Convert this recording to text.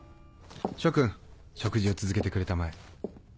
諸君食事を続けてくれたまえ。